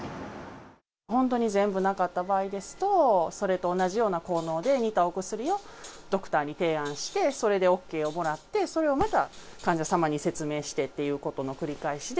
本当に全部なかった場合ですと、それと同じような効能で、似たお薬をドクターに提案して、それでＯＫをもらって、それをまた患者様に説明してっていうことの繰り返しで。